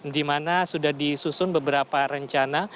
di mana sudah disusun beberapa rencana